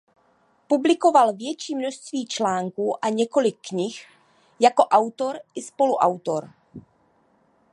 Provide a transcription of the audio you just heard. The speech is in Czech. Publikoval větší množství článků a několik knih jako autor i spoluautor.